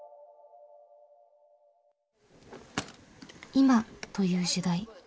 「今」という時代。